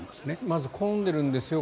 まず、混んでるんですよ